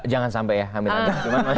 jangan sampai ya